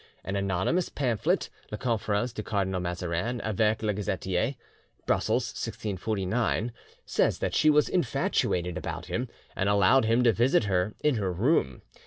An anonymous pamphlet, 'La Conference du Cardinal Mazarin avec le Gazetier' (Brussels, 1649), says that she was infatuated about him, and allowed him to visit her in her room.